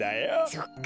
そっか。